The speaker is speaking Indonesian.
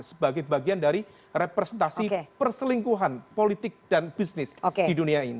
sebagai bagian dari representasi perselingkuhan politik dan bisnis di dunia ini